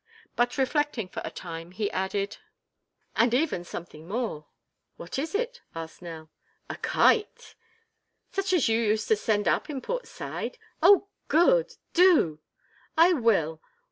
But reflecting for a time he added: "And even something more." "What is it?" asked Nell. "A kite." "Such as you used to send up in Port Said? Oh good! Do." "I will.